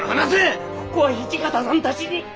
ここは土方さんたちに。